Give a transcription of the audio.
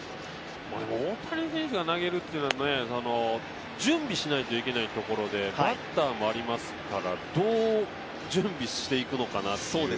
大谷選手が投げるというのは準備しなきゃいけないというところでバッターもありますから、どう準備していくのかなという。